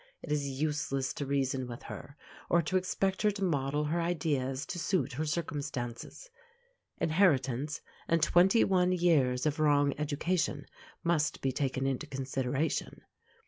It is useless to reason with her, or to expect her to model her ideas to suit her circumstances. Inheritance and twenty one years of wrong education must be taken into consideration.